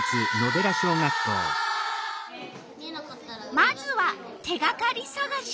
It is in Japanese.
まずは手がかりさがし。